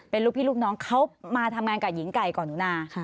เป็นลูกพี่ลูกน้องเขามาทำงานกับหญิงไก่ก่อนหนูนา